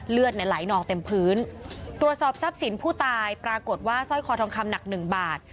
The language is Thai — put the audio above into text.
เลือดในไหลนองเต็มพื้นตรวจสอบทรัพย์สินผู้ตายปรากฏว่าสร้อยคอทองคำหนักหนึ่งบาท